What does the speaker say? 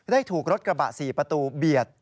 ถูกรถกระบะ๔ประตูเบียด